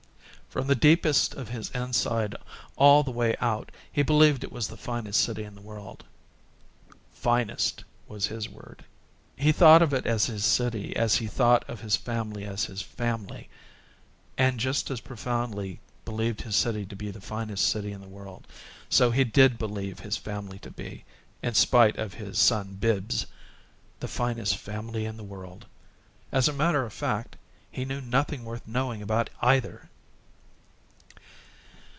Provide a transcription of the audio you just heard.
From the deepest of his inside all the way out he believed it was the finest city in the world. "Finest" was his word. He thought of it as his city as he thought of his family as his family; and just as profoundly believed his city to be the finest city in the world, so did he believe his family to be in spite of his son Bibbs the finest family in the world. As a matter of fact, he knew nothing worth knowing about either.